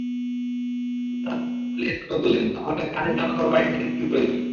রাসূলুল্লাহ সাল্লাল্লাহু আলাইহি ওয়াসাল্লাম বললেন, তাহলে কাঁধে ঝুলানো তরবারীটির কী প্রয়োজন?